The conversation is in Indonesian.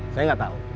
saya enggak tahu